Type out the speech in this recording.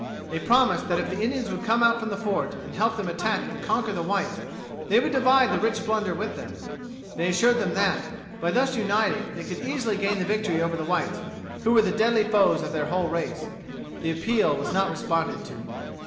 They promised that if the Indians would come out from the fort, and help them attack and conquer the whites, they would divide the rich plunder with them. They assured them that, by thus uniting, they could easily gain the victory over the whites, who were the deadly foes of their whole race. The appeal was not responded to.